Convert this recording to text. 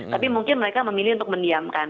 tapi mungkin mereka memilih untuk mendiamkan